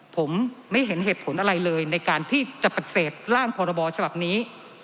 ผมไม่เห็นเหตุผลอะไรเลยในการที่จะประเศษร่างข้อระบอเฉพาะนี้